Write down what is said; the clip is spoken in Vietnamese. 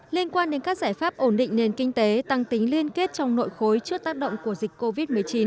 liên quan đến các giải pháp ổn định nền kinh tế tăng tính liên kết trong nội khối trước tác động của dịch covid một mươi chín